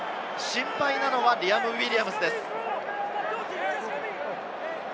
心配なのはリアム・ウィリアムズです。